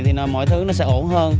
thì mọi thứ nó sẽ ổn hơn